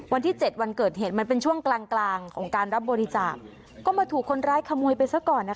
วันที่เจ็ดวันเกิดเหตุมันเป็นช่วงกลางกลางของการรับบริจาคก็มาถูกคนร้ายขโมยไปซะก่อนนะคะ